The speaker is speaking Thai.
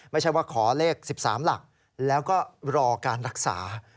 ไม่ใช่ว่าขอเลข๑๓หลักแล้วก็รอการรักษา